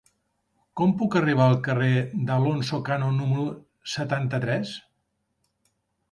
Com puc arribar al carrer d'Alonso Cano número setanta-tres?